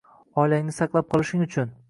Oilangni saqlab qolishing uchun